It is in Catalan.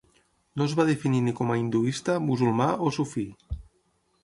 No es va definir ni com a hinduista, musulmà o sufí.